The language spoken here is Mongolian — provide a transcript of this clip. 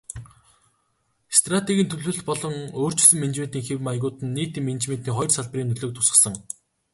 Стратегийн төлөвлөлт болон өөрчилсөн менежментийн хэв маягууд нь нийтийн менежментийн хоёр салбарын нөлөөг тусгасан.